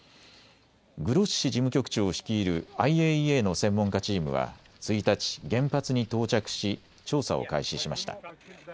グロッシ事務局長率いるＩＡＥＡの専門家チームは１日、原発に到着し調査を開始しました。